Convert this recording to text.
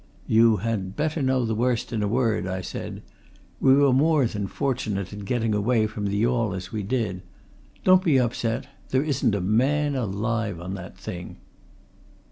"You had better know the worst in a word," I said. "We were more than fortunate in getting away from the yawl as we did. Don't be upset there isn't a man alive on that thing!"